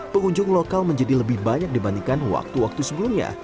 pengunjung lokal menjadi lebih banyak dibandingkan waktu waktu sebelumnya